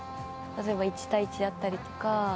例えば、１対１だったりとか。